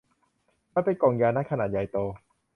มันเป็นกล่องยานัตถุ์ขนาดใหญ่โต